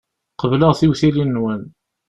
Qebleɣ tiwitilin-nwen.